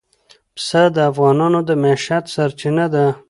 پسه د افغانانو د معیشت سرچینه ده.